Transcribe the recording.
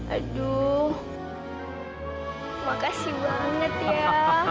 aduh makasih banget ya